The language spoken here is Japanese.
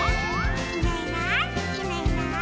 「いないいないいないいない」